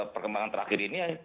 perkembangan terakhir ini